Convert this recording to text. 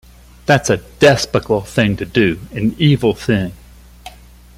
That's a despicable thing to do, an evil thing.